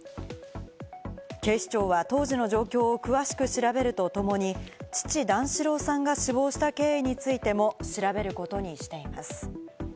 警視庁は当時の状況を詳しく調べるとともに、父・段四郎さんが死亡した経緯についても調べることにしています。